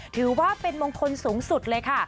ถือว่าเป็นมงคลสูงสุดเลยค่ะ